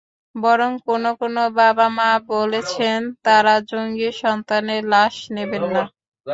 বরং কোনো কোনো বাবা-মা বলেছেন, তাঁরা জঙ্গি সন্তানের লাশ নেবেন না।